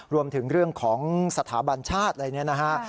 รวมถึงเรื่องของสถาบันชาติอะไรเนี่ยนะฮะ